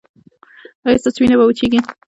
ایا ستاسو وینه به وچیږي؟